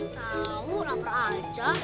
tahu lapar aja